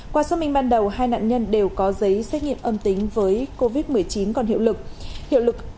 qua xuất minh ban đầu hai nạn nhân đều có giấy xét nghiệm âm tính với covid một mươi chín còn hiệu lực